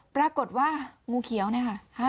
ปรากฏว่างูเขียวเนี่ยค่ะ